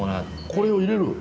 これを入れる？